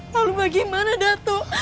lalu bagaimana datuk